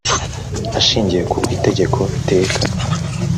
Ashingiye ku Itegeko teka.